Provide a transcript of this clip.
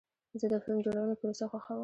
زه د فلم جوړونې پروسه خوښوم.